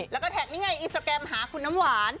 แล้วก็แท็กนี่ไงอินสตราแกรมหาคุณน้ำหวาน